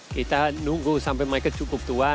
kita nunggu sampai mereka cukup tua